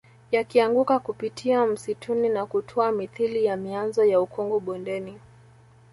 Yakianguka kupitia msituni na kutua mithili ya mianzo ya ukungu bondeni